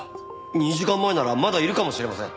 ２時間前ならまだいるかもしれません。